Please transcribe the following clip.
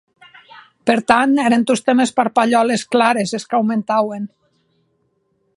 Per tant, èren tostemp es parpalhòles clares es qu'aumentauen.